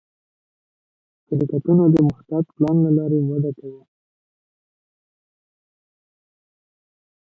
شرکتونه د محتاط پلان له لارې وده کوي.